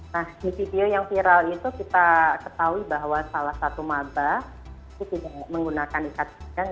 nah di video yang viral itu kita ketahui bahwa salah satu mabah itu tidak menggunakan ikat pinggang